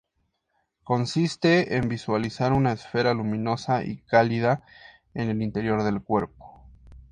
Consiste en visualizar una esfera luminosa y cálida en el interior del cuerpo.